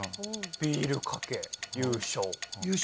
ビールかけ、優勝。